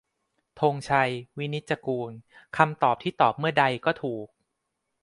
ธงชัย วินิจจะกูล : คำตอบที่ตอบเมื่อใดก็ถูก